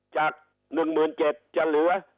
จาก๑๗๐๐๐จะเหลือ๑๒๐๐